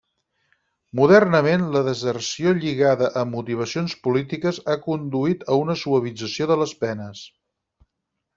Modernament, la deserció lligada a motivacions polítiques ha conduït a una suavització de les penes.